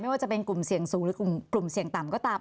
ว่าจะเป็นกลุ่มเสี่ยงสูงหรือกลุ่มเสี่ยงต่ำก็ตาม